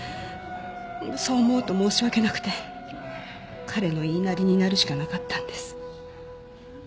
そう思うと申し訳なくて彼の言いなりになるしかなかったんです。